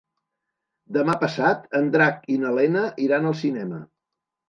Demà passat en Drac i na Lena iran al cinema.